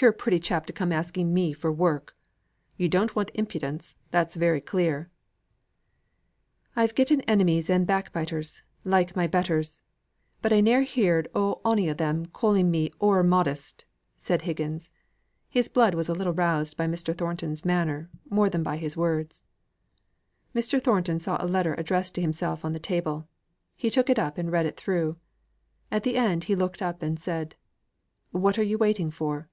You're a pretty chap to come asking me for work. You don't want impudence, that's very clear." "I've getten enemies and backbiters, like my betters; but I ne'er heerd o' ony of them calling me o'er modest," said Higgins. His blood was a little roused by Mr. Thornton's manner, more than by his words. Mr. Thornton saw a letter addressed to himself on the table. He took it up and read it through. At the end, he looked up and said, "What are you waiting for?"